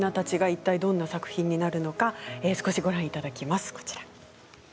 いったいどんな作品になるのか少しご覧いただきます。